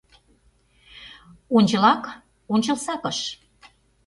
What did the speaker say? Ончылак — ончылсакыш.